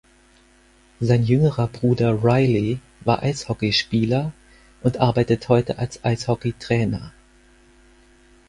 Sein jüngerer Bruder Riley war Eishockeyspieler und arbeitet heute als Eishockeytrainer.